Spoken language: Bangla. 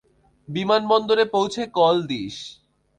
বিমানবন্দরে পৌঁছে কল দিস।